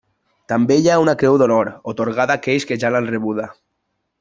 També hi ha una Creu d'Honor, atorgada a aquells que ja l'han rebuda.